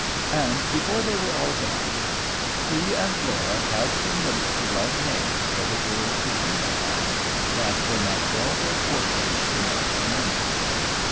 And before they were all gone, he and Laura had been made to write names for the girls to dream upon, that they might draw their fortunes the next morning.